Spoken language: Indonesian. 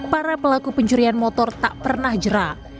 para pelaku pencurian motor tak pernah jera